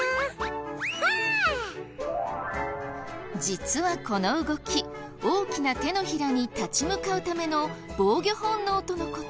実はこの動き大きな手のひらに立ち向かうための防御本能との事。